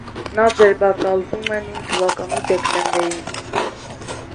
Նա ձերբակալվում է նույն թվականի դեկտեմբերին։